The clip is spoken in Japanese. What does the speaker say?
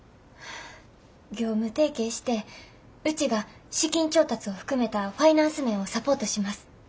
業務提携してうちが資金調達を含めたファイナンス面をサポートします。